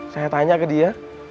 saya tanya ke dia